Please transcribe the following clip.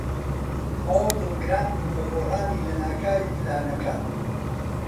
تەواو دڵگران بووم بە گۆڕانی لەناکاوی پلانەکە.